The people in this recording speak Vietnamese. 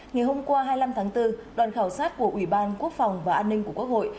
ngày hôm qua hai mươi năm tháng bốn đoàn khảo sát của ủy ban quốc phòng và an ninh của quốc hội